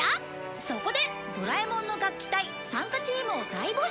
そこでドラえもんの楽器隊参加チームを大募集！